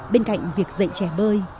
bên cạnh việc dạy trẻ bơi